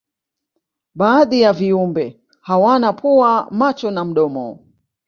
baadhi ya viumbe hawana pua macho na mdomo